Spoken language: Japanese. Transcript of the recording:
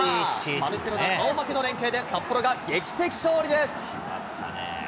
バルセロナ顔負けの連係で札幌が劇的勝利です。